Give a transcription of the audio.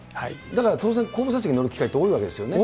だから当然後部座席に乗る機会が多いわけですよね。